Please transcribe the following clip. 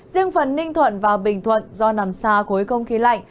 riêng phần ninh thuận và bình thuận do nằm xa khối không khí lạnh